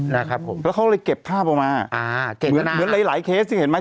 และเขาเลยเก็บภาพออกมาเหมือนหลายหลายเคสเห็นไหม